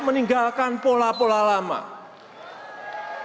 dari masalah masalah yang kita hadapi